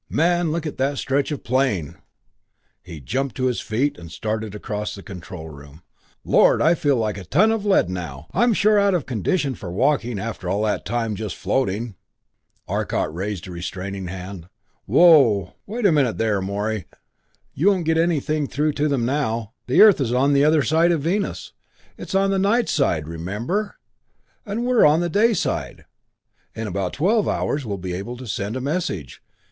Man look at that stretch of plain!" He jumped to his feet and started across the control room. "Lord I feel like of ton of lead now I sure am out of condition for walking after all that time just floating!" Arcot raised a restraining hand. "Whoa wait a minute there, Morey you won't get anything through to them now. The Earth is on the other side of Venus it's on the night side, remember and we're on the day side. In about twelve hours we'll be able to send a message.